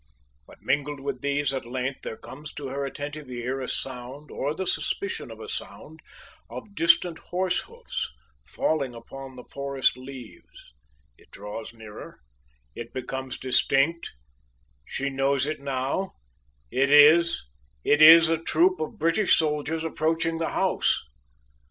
But mingled with these, at length, there comes to her attentive ear a sound, or the suspicion of a sound, of distant horse hoofs falling upon the forest leaves it draws nearer it becomes distinct she knows it now it is it is a troop of British soldiers approaching the house!